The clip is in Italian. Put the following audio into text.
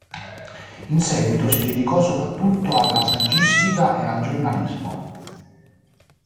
In seguito si dedicò soprattutto alla saggistica e al giornalismo.